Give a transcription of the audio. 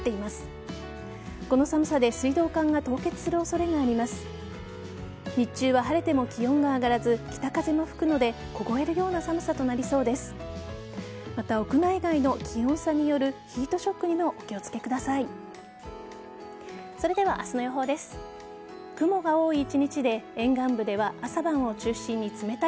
また、屋内外の気温差によるヒートショックにもお気を付けください。